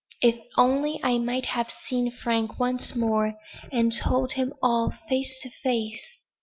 If only I might have seen Frank once more, and told him all face to face!"